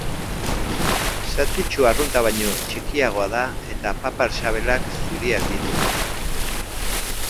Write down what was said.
Satitsu arrunta baino txikiagoa da eta papar-sabelak zuriak ditu.